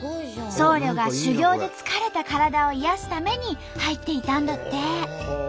僧侶が修行で疲れた体を癒やすために入っていたんだって！